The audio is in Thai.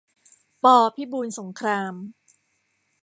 ป. พิบูลสงคราม